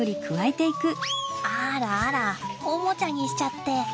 あらあらおもちゃにしちゃって。